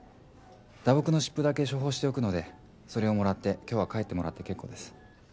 打撲の湿布だけ処方しておくのでそれを貰って今日は帰ってもらって結構です。